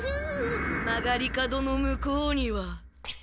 曲がり角の向こうには。